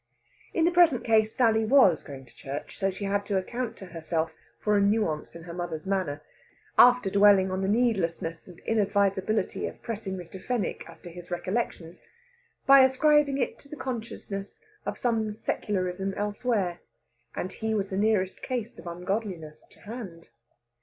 In the present case Sally was going to church, so she had to account to herself for a nuance in her mother's manner after dwelling on the needlessness and inadvisability of pressing Mr. Fenwick as to his recollections by ascribing it to the consciousness of some secularism elsewhere; and he was the nearest case of ungodliness to hand.